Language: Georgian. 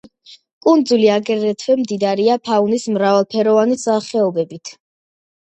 კუნძული აგრეთვე მდიდარია ფაუნის მრავალფეროვანი სახეობებით.